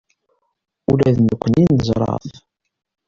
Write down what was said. Ula d nekkni neẓra-t.